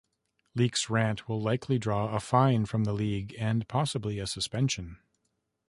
Leach's rant will likely draw a fine from the league and possibly a suspension.